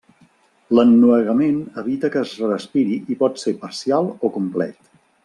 L'ennuegament evita que es respiri i pot ser parcial o complet.